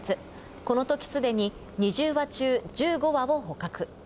このときすでに２０羽中１５羽を捕獲。